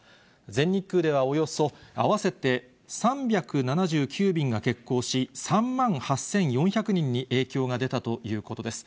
全日空ではおよそ合わせて３７９便が欠航し、３万８４００人に影響が出たということです。